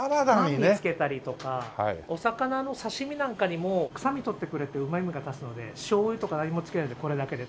パンにつけたりとかお魚の刺し身なんかにもくさみ取ってくれてうまみが増すのでしょうゆとか何もつけないでこれだけで。